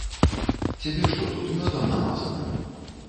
Цябе што, тут мёдам намазана?